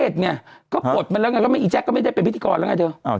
เค้าดูจับไหมอีแจ็คก็ไม่ได้เป็นพิธีกรแล้วนะเถอะ